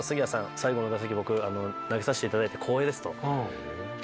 最後の打席僕投げさせていただいて光栄です」と。